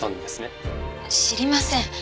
知りません。